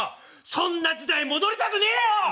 そんな時代戻りたくねえよ！